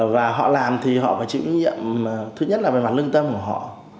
và họ làm thì họ phải chịu nhiệm thứ nhất là về mặt lưng tâm của họ